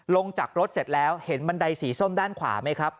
ลงจากรถเสร็จแล้วเห็นบันไดสีส้มด้านขวาไหมครับ